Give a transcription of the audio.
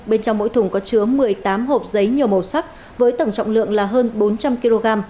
bên trong mỗi thùng có chứa một mươi tám hộp giấy nhiều màu sắc với tổng trọng lượng là hơn bốn trăm linh kg